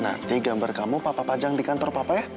nanti gambar kamu papa pajang di kantor papa ya